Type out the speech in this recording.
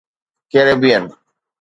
Caribbean